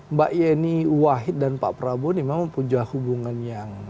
mbak yeni wahid dan pak prabowo ini memang punya hubungan yang